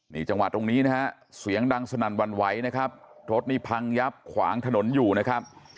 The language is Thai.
นี่จังหวะตรงนี้นะฮะเสียงดังสนั่นหวั่นไหวนะครับรถนี่พังยับขวางถนนอยู่นะครับ